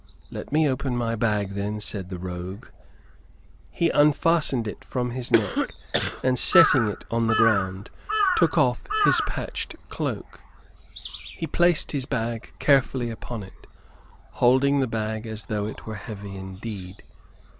"Let me open my bag then," said the rogue. He unfastened it from his neck, and, setting it on the ground, took off his patched cloak. He placed his bag carefully upon it, holding the bag as though it were heavy indeed.